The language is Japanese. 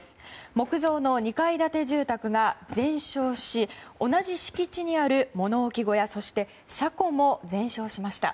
木造の２階建て住宅が全焼し同じ敷地にある物置小屋そして車庫も全焼しました。